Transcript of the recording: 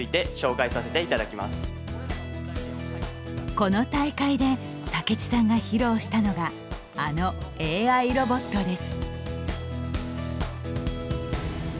この大会で武智さんが披露したのがあのＡＩロボットです。